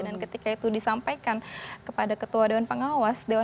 dan ketika itu disampaikan kepada ketua dewan pengawas